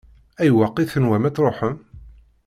Ayweq i tenwam ad tṛuḥem?